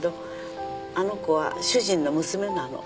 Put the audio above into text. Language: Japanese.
あの子は主人の娘なの。